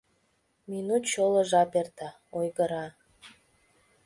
Минут чоло жап эрта - ойгыра.